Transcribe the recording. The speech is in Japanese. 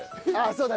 そうだ。